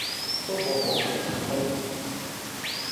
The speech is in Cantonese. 都冇可能砌低我